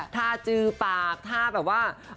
จือปากท่าแบบว่า